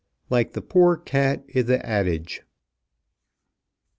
LIKE THE POOR CAT I' THE ADAGE.